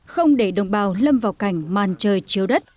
không để đồng bào lâm vào cảnh màn trời chiếu đất